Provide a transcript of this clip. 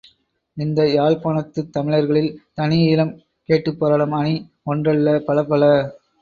இந்த யாழ்ப் பாணத்துத் தமிழர்களில் தனி ஈழம் கேட்டுப் போராடும் அணி ஒன்றல்ல பலப்பல!